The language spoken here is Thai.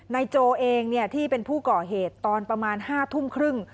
โจเองที่เป็นผู้ก่อเหตุตอนประมาณ๕ทุ่มครึ่ง